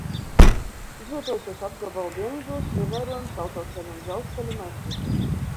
Izvietojusies apgabala dienvidos, ievērojams autoceļu un dzelzceļu mezgls.